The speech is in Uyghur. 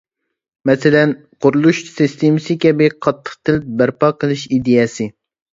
مەسىلەن: قۇرۇلۇش سىستېمىسى كەبى قاتتىق تىل بەرپا قىلىش ئىدىيەسى.